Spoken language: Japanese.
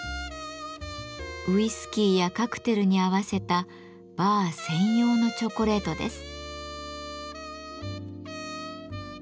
ウイスキーやカクテルに合わせたバー専用のチョコレートです。